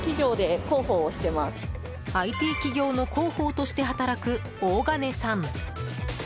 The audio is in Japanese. ＩＴ企業の広報として働く大金さん。